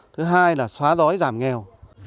thứ hai là xóa rối giảm nghèo